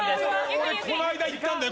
俺この間行ったんだよ。